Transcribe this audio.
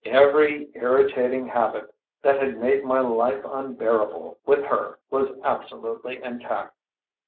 "Every irritating habit that had made my life unbearable with her was absolutely intact."